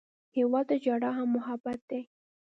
هېواد ته ژړا هم محبت دی